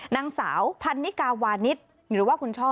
นางสาวพันนิกาวานิสหรือว่าคุณช่อ